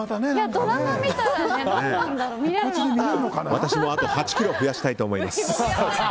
私もあと８ｋｇ増やしたいと思います。